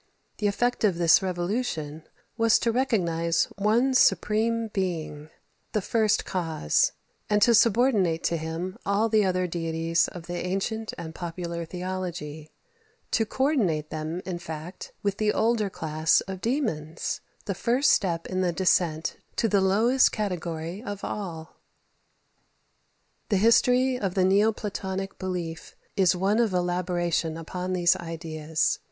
The effect of this revolution was to recognize one Supreme Being, the First Cause, and to subordinate to him all the other deities of the ancient and popular theology to co ordinate them, in fact, with the older class of daemons; the first step in the descent to the lowest category of all. 21. The history of the neo Platonic belief is one of elaboration upon these ideas.